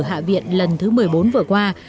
hạ viện lần thứ một mươi bốn vừa qua